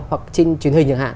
hoặc trên truyền hình chẳng hạn